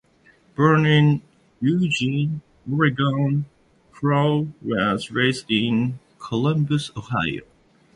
Born in Eugene, Oregon, Krohn was raised in Columbus, Ohio.